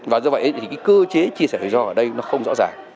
và do vậy thì cơ chế chia sẻ lựa chọn ở đây nó không rõ ràng